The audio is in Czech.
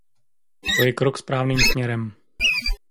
To je krok správným směrem.